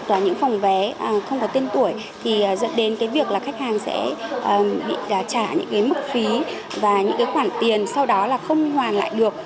và những phòng vé không có tiên tuổi thì dẫn đến cái việc là khách hàng sẽ trả những mức phí và những khoản tiền sau đó là không hoàn lại được